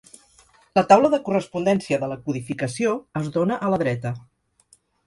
La taula de correspondència de la codificació es dóna a la dreta.